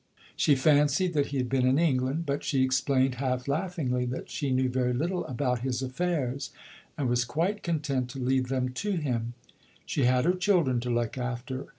She fancied that he had been in England; but she explained half laughingly that she knew very little about his affairs, and was quite content to leave them to him. She had her children to look after.